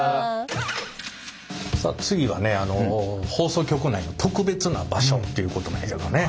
次はね放送局内の特別な場所ということなんやけどね。